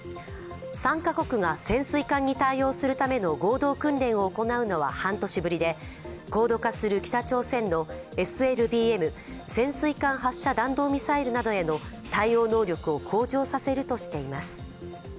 ３か国が潜水艦に対応するための合同訓練を行うのは半年ぶりで高度化する北朝鮮のＳＬＢＭ＝潜水艦発射弾道ミサイルなどへの対応能力を向上させるとしています。